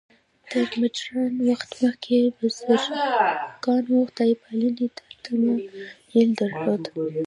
تر مډرن وخت مخکې بزګرانو خدای پالنې ته تمایل درلود.